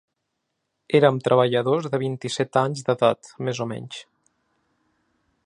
Érem treballadors de vint-i-set anys d’edat més o menys.